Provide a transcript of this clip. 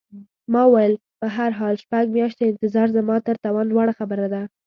ما وویل: په هر حال، شپږ میاشتې انتظار زما تر توان لوړه خبره ده.